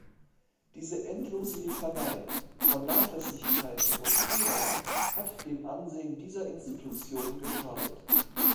Diese endlose Litanei von Nachlässigkeiten und Fehlern hat dem Ansehen dieser Institution geschadet.